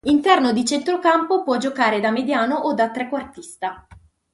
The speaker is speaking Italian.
Interno di centrocampo, può giocare da mediano o da trequartista.